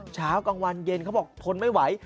เช้ากลางวันเย็นเขาบอกทนไม่ไหว